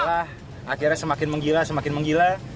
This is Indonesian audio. akhirnya semakin menggila semakin menggila